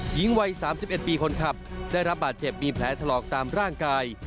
หญิงวัย๓๑ปีคนขับได้รับบาดเจ็บมีแผลถลอกตามร่างกาย